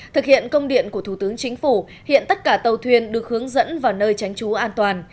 thực hiện công điện của thủ tướng chính phủ hiện tất cả tàu thuyền được hướng dẫn vào nơi tránh trú an toàn